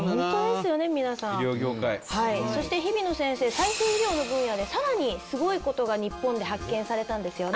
再生医療の分野でさらにすごいことが日本で発見されたんですよね？